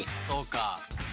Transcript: そうか。